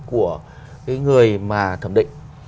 của cái người mà thẩm định